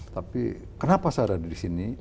tapi kenapa saya ada di sini